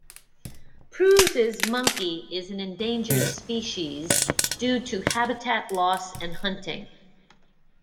Preuss's monkey is an endangered species, due to habitat loss and hunting.